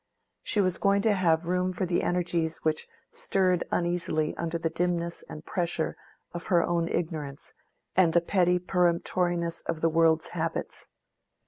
She was going to have room for the energies which stirred uneasily under the dimness and pressure of her own ignorance and the petty peremptoriness of the world's habits.